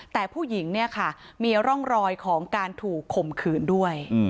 แต่ผู้หญิงมีร่องรอยของการถูกขมขืนด้วย